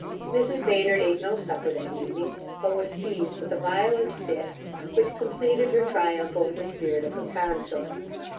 Mrs Baynard ate no supper that evening; but was seized with a violent fit, which completed her triumph over the spirit of her consort.